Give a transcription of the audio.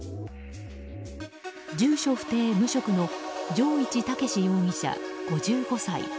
住所不定・無職の城市武志容疑者、５５歳。